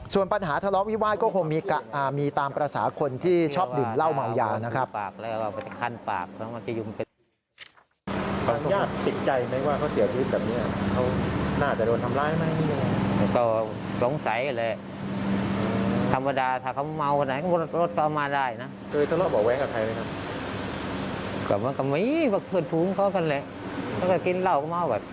ส่วนปัญหาทะเลาะวิวาสก็คงมีตามภาษาคนที่ชอบดื่มเหล้าเมายานะครับ